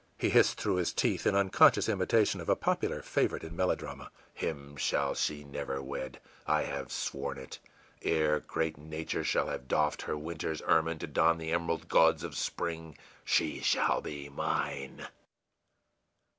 He hissed through his teeth, in unconscious imitation of a popular favorite in melodrama, ìHim shall she never wed! I have sworn it! Ere great Nature shall have doffed her winter's ermine to don the emerald gauds of spring, she shall be mine!